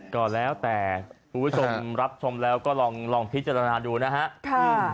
ก็แล้วแต่คุณผู้ชมรับชมแล้วก็ลองพิจารณาดูนะฮะ